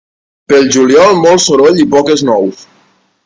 Pel juliol, molt soroll i poques nous.